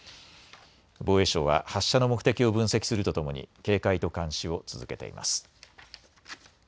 防衛省は発射の目的を分析するとともに警戒と監視を続けています。